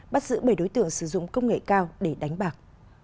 bắt giữ bảy đối tượng sử dụng công nghệ cao để đánh bạc